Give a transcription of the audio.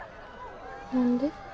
何で？